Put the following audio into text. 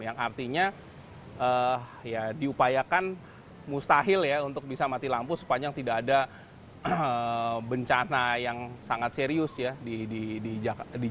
yang artinya diupayakan mustahil ya untuk bisa mati lampu sepanjang tidak ada bencana yang sangat serius ya